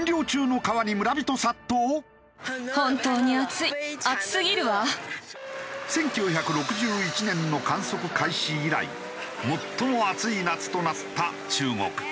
続いては１９６１年の観測開始以来最も暑い夏となった中国。